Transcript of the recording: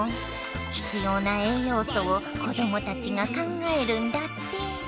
必要な栄養素を子供たちが考えるんだって！